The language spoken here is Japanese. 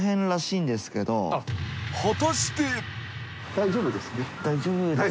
大丈夫ですか？